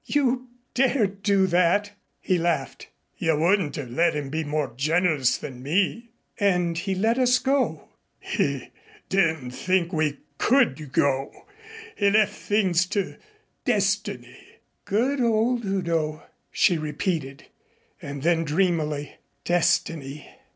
"You dared do that?" He laughed. "You wouldn't have let him be more generous than me." "And he let us go?" "He didn't think we could go. He left things to Destiny." "Good old Udo!" she repeated. And then dreamily, "Destiny!